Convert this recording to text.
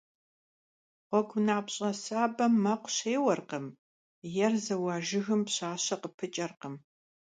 Ğuegunapş'e sabem mekhu şêuerkhım, yêr zeua jjıgım pş'aşe khıpıç'erkhım.